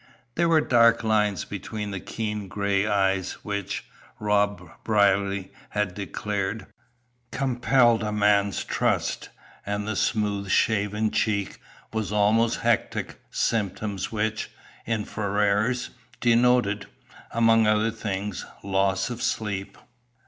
There were dark lines beneath the keen gray eyes, which, Rob Brierly had declared, "compelled a man's trust," and the smooth, shaven cheek was almost hectic, symptoms which, in Ferrars, denoted, among other things, loss of sleep.